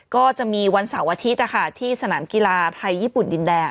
ก็จะมีวันเสาร์อาทิตย์ที่สนามกีฬาไทยญี่ปุ่นดินแดง